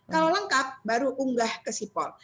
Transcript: kalau lengkap baru unggah ke sipol